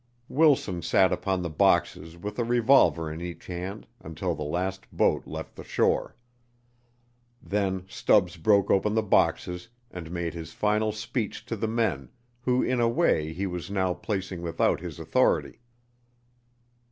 Wilson sat upon the boxes with a revolver in each hand until the last boat left the shore. Then Stubbs broke open the boxes and made his final speech to the men who in a way he was now placing without his authority.